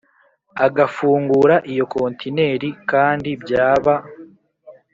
agafungura iyo kontineri kandi byaba